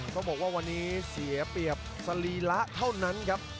ต้องบอกว่าวันนี้เสียเปรียบสรีระเท่านั้นครับ